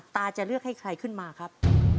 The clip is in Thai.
ตาจะเลือกให้ใครขึ้นมาครับ